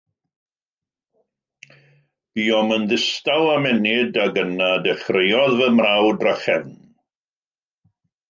Buom yn ddistaw am ennyd, ac yna dechreuodd fy mrawd drachefn.